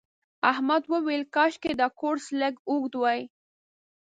احمد وویل کاشکې دا کورس لږ اوږد وای.